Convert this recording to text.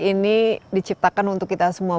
ini diciptakan untuk kita semua